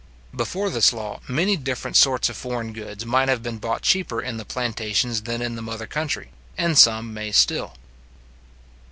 Before this law, many different sorts of foreign goods might have been bought cheaper in the plantations than in the mother country, and some may still.